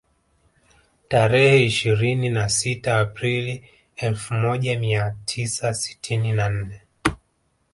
Tarehe ishirini na sita Aprili elfu moja mia tisa sitini na nne